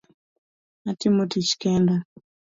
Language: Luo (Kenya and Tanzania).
Atimo tich kenda